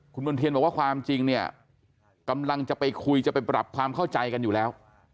คุณมณ์เทียนบอกว่าความจริงเนี่ยกำลังจะไปคุยจะไปปรับความเข้าใจกันอยู่แล้ว